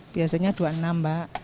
biasanya dua puluh enam mbak